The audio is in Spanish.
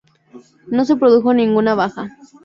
No se produjo ninguna baja.